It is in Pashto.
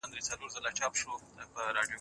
د ښار ساتونکي محمود ته سلام وکړ.